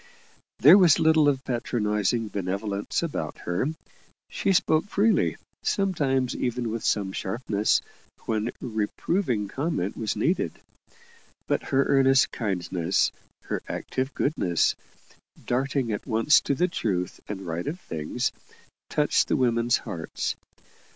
There was little of patronizing benevolence about her; she spoke freely, sometimes even with some sharpness, when reproving comment was needed; but her earnest kindness, her active goodness, darting at once to the truth and right of things, touched the women's hearts.